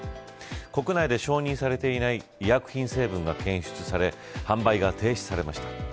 国内で承認されていない医薬品成分が検出され販売が停止されました。